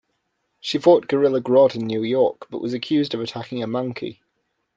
She fought Gorilla Grodd in New York, but was accused of attacking a "monkey".